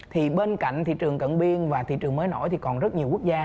thì bên cạnh thị trường cận biên và thị trường mới nổi thì còn rất nhiều quốc gia